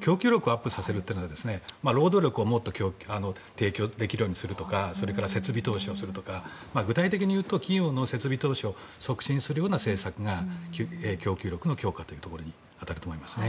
供給力をアップさせるというのは労働力をもっと提供できるようにするとか設備投資をするとか具体的に言うと企業の設備投資を促進するような政策が供給力の強化に当たると思いますね。